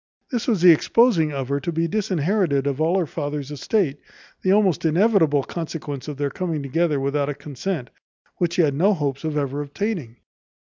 This was the exposing of her to be disinherited of all her father's estate, the almost inevitable consequence of their coming together without a consent, which he had no hopes of ever obtaining.